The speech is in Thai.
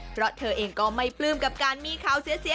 เพราะเธอเองก็ไม่ปลื้มกับการมีข่าวเสีย